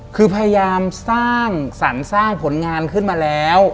คือพยายามสรรสร้างผลงานขึ้นมาแล้ว